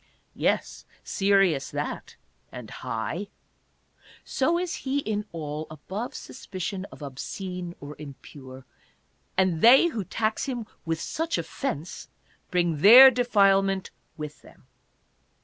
Yes, serious that, and high. So is he in all, above sus picion of obscene or impure ; and they who tax him with such offense bring their defilement with them.